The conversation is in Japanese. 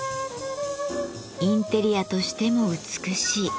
インテリアとしても美しい。